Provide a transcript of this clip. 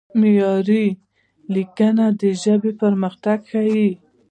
معیاري لیکنه د ژبې پرمختګ ښيي.